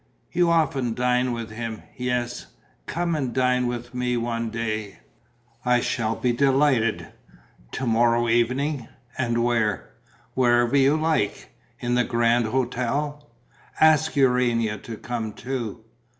"You often dine with him." "Yes." "Come and dine with me one day." "I shall be delighted." "To morrow evening? And where?" "Wherever you like." "In the Grand Hôtel?" "Ask Urania to come too."